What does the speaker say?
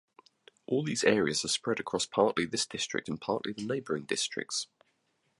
All these areas are spread across partly this district and partly the neighbouring districts.